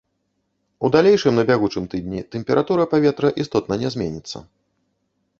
У далейшым на бягучым тыдні тэмпература паветра істотна не зменіцца.